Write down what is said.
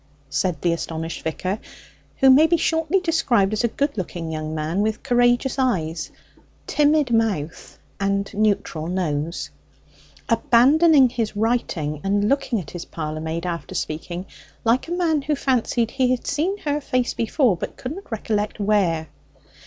said the astonished vicar (who may be shortly described as a good looking young man with courageous eyes, timid mouth, and neutral nose), abandoning his writing and looking at his parlour maid after speaking, like a man who fancied he had seen her face before but couldn't recollect where.